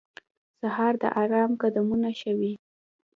سهار د آرام قدمونه ښووي.